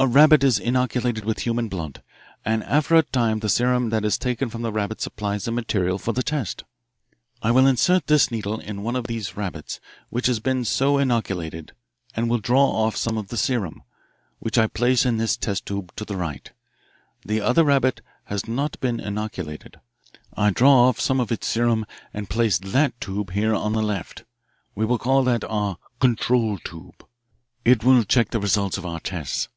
"A rabbit is inoculated with human blood, and after a time the serum that is taken from the rabbit supplies the material for the test. "I will insert this needle in one of these rabbits which has been so inoculated and will draw off some of the serum, which I place in this test tube to the right. The other rabbit has not been inoculated. I draw off some of its serum and place that tube here on the left we will call that our 'control tube.' It will check the results of our tests.